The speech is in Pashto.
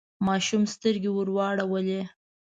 ماشوم سترګې ورواړولې.